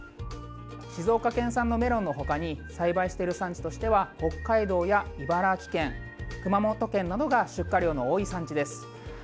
静岡県産のメロンのほかに栽培している産地としては北海道や茨城県、熊本県などが出荷量の多い産地です。